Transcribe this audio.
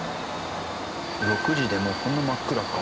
６時でもうこんな真っ暗か。